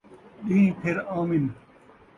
ݙین٘ہ پھِر آون